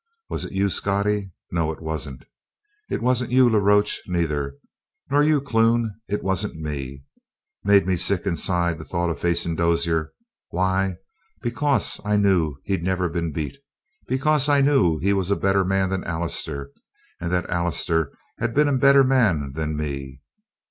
Was it you, Scottie? No, it wasn't. It wasn't you, La Roche, neither, nor you, Clune, and it wasn't me. Made me sick inside, the thought of facin' Dozier. Why? Because I knew he'd never been beat. Because I knew he was a better man than Allister, and that Allister had been a better man than me.